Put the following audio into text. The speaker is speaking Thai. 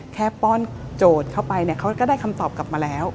ป้อนโจทย์เข้าไปเนี่ยเขาก็ได้คำตอบกลับมาแล้ว